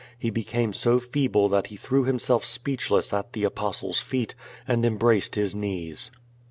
He became so feeble that he threw himself speechless at the Apostle^s feet, and embraced his knees.